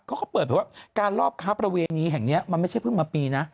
เขาก็เปิดไปว่าการรอบค้าประเวณีแห่งนี้มันไม่ใช่เพิ่งมาปีนะ